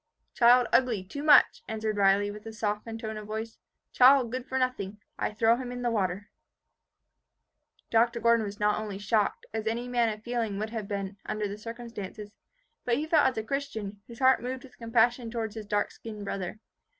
"Child ugly too much," answered Riley, with a softened tone of voice. "Child good for nothing. I throw him in the water." Dr. Gordon was not only shocked, as any man of feeling would have been, under the circumstances, but he felt as a Christian, whose heart moved with compassion towards his dark skinned brother.